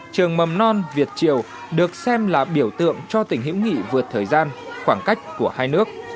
trường mầm non việt triều được xem là biểu tượng cho tình hữu nghị vượt thời gian khoảng cách của hai nước